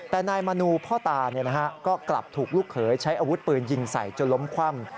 แต่นายมนูพ่อตาก็กลับถูกลูกเขยใช้อาวุธปืนยิงใส่จนล้มคว่ำ